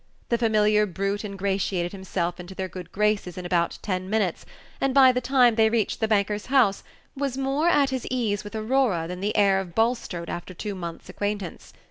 The familiar brute ingratiated himself into their good graces in about ten minutes, and by the time they reached the banker's house was more at his case with Aurora than the heir of Bulstrode after two months acquaintance.